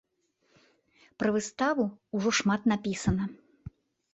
Пра выставу ўжо шмат напісана.